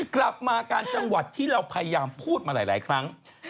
กลับมาการจังหวัดที่เราพยายามพูดมาหลายครั้ง